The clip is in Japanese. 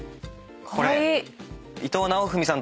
これ。